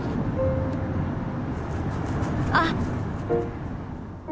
あっ！